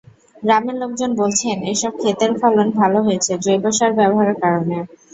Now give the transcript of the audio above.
গ্রামের লোকজন বলছেন, এসব খেতের ফলন ভালো হয়েছে জৈব সার ব্যবহারের কারণে।